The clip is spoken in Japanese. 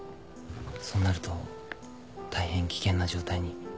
そうなると大変危険な状態に。